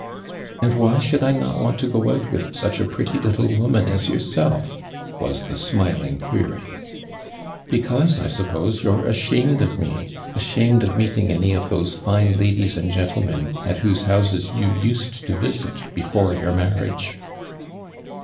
" And why should 1 not want to go out with su«li a pretty little woinun as your self?" was the smiling query. •' Because 1 suppose you're ashamed of mo — afraid of meeting any of those line ladies and gentlemen at whose houses you used to visit l)efore your man iage."